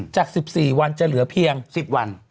จาก๑๔วันจะเหลือเพียง๑๐วัน